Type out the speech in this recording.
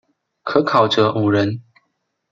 可考者五人。